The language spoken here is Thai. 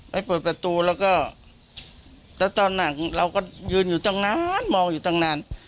ไม่เปิดประตูแล้วก็แล้วตอนนั้นเราก็ยืนอยู่ตรงนั้นมองอยู่ตรงนั้น